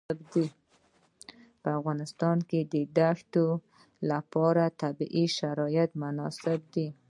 په افغانستان کې د دښتې لپاره طبیعي شرایط مناسب دي.